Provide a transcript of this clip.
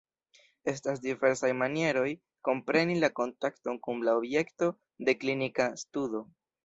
Estas diversaj manieroj kompreni la kontakton kun la objekto de klinika studo.